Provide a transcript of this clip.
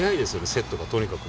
セットがとにかく。